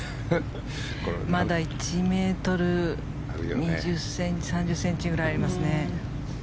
まだ１ｍ２０ｃｍ３０ｃｍくらいありますね。